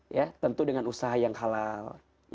ya tentu dengan usaha yang halal